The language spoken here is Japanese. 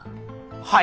はい？